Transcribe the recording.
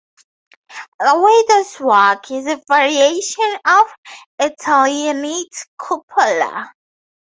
The widow's walk is a variation of the Italianate cupola.